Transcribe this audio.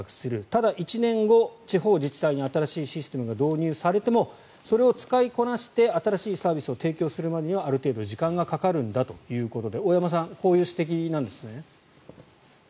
ただ、１年後、地方自治体に新しいシステムが導入されてもそれを使いこなして新しいサービスを提供するまでにはある程度時間がかかるんだということで大山さんこういう指摘なんですね。